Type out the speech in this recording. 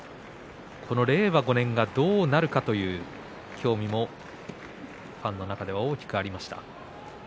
この令和５年がどうなるかという興味もファンの中では大きく変わります